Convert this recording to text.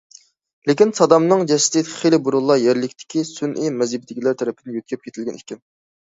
لېكىن سادامنىڭ جەسىتى خېلى بۇرۇنلا يەرلىكتىكى سۈنئىي مەزھىپىدىكىلەر تەرىپىدىن يۆتكەپ كېتىلگەن ئىكەن.